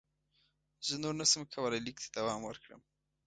زه نور نه شم کولای لیک ته دوام ورکړم.